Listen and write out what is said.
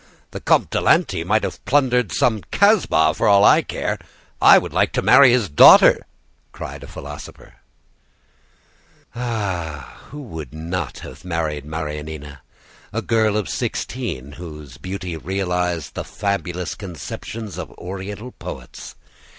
"The Comte de Lanty may have plundered some Casbah for all I care; I would like to marry his daughter!" cried a philosopher. Who would not have married Marianina, a girl of sixteen, whose beauty realized the fabulous conceptions of Oriental poets!